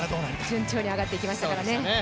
順調に上がっていきましたからね。